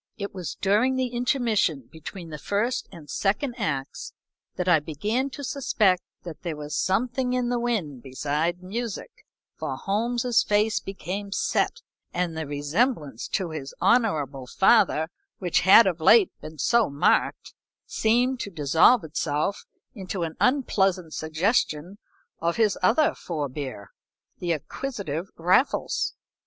It was during the intermission between the first and second acts that I began to suspect that there was something in the wind beside music, for Holmes's face became set, and the resemblance to his honorable father, which had of late been so marked, seemed to dissolve itself into an unpleasant suggestion of his other forbear, the acquisitive Raffles.